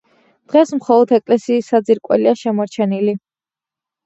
დღეს მხოლოდ ეკლესიის საძირკველია შემორჩენილი.